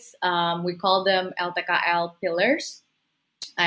kami menyebutnya pillar ltkl